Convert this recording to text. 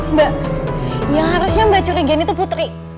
mbak yang harusnya mbak curiga ini tuh putri